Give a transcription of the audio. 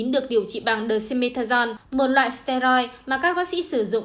được điều trị bằng dexamethasone một loại steroid mà các bác sĩ sử dụng